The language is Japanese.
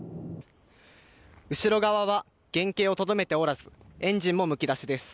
後ろ側は原形をとどめておらずエンジンもむき出しです。